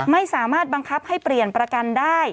ไม่สามารถบังคับให้เปลี่ยนประกันได้